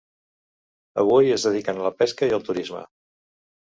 Avui es dediquen a la pesca i al turisme.